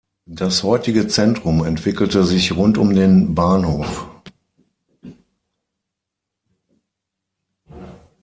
Das heutige Zentrum entwickelte sich rund um den Bahnhof.